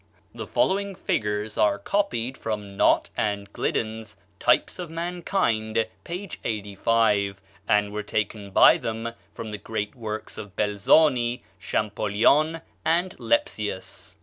The following figures are copied from Nott and Gliddon's "Types of Mankind," p. 85, and were taken by them from the great works of Belzoni, Champollion, and Lepsius.